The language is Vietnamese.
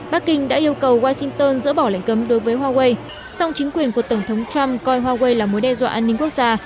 bắc kinh đã yêu cầu washington dỡ bỏ lệnh cấm đối với huawei song chính quyền của tổng thống trump coi huawei là mối đe dọa an ninh quốc gia